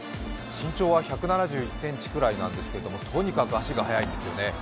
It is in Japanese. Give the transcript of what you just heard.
身長は１７１ｃｍぐらいなんですけどとにかく足が速いんですよね。